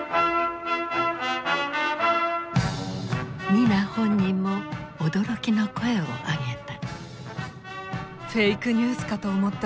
ニナ本人も驚きの声を上げた。